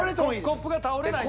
コップが倒れない。